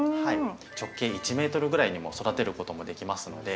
直径１ｍぐらいにも育てることもできますので。